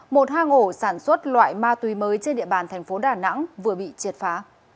một hang ổ sản xuất loại ma túy mới trên địa bàn tp đà nẵng vừa bị triệt phá